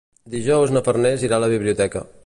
Dijous na Farners irà a la biblioteca.